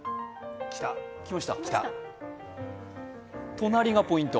隣がポイント。